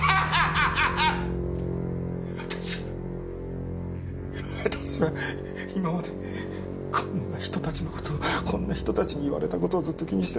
私は私は今までこんな人たちの事をこんな人たちに言われた事をずっと気にして。